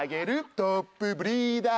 トップブリーダー。